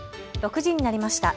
６時になりました。